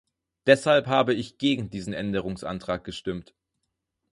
Deshalb habe ich gegen diesen Änderungsantrag gestimmt.